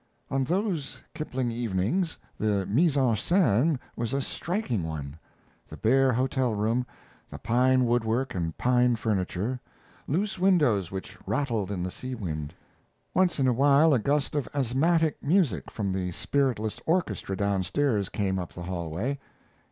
On those Kipling evenings the 'mise en scene' was a striking one. The bare hotel room, the pine woodwork and pine furniture, loose windows which rattled in the sea wind. Once in a while a gust of asthmatic music from the spiritless orchestra downstairs came up the hallway.